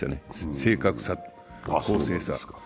正確さ、公正さ。